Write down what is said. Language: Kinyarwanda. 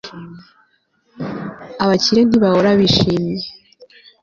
Abakire ntibahora bishimye